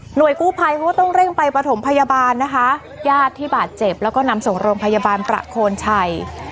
กู้ภัยเขาก็ต้องเร่งไปประถมพยาบาลนะคะญาติที่บาดเจ็บแล้วก็นำส่งโรงพยาบาลประโคนชัย